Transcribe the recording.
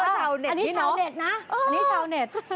ชาวเน็ตนี้เนาะอันนี้ชาวเน็ต